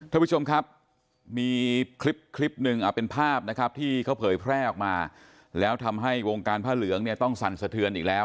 ท่านผู้ชมครับมีคลิปคลิปหนึ่งเป็นภาพนะครับที่เขาเผยแพร่ออกมาแล้วทำให้วงการผ้าเหลืองเนี่ยต้องสั่นสะเทือนอีกแล้ว